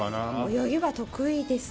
泳ぎは得意ですね。